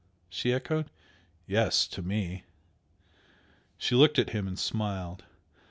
she echoed. "Yes! To me!" She looked at him and smiled.